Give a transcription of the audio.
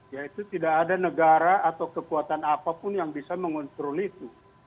yaitu tidak ada negara atau kekuatan apapun yang bisa mengontrol itu